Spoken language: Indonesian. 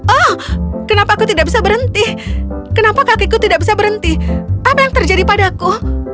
oh kenapa aku tidak bisa berhenti kenapa kakiku tidak bisa berhenti apa yang terjadi padaku